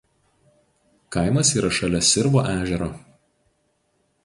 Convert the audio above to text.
Kaimas yra šalia Sirvo ežero.